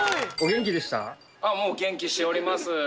元気しております。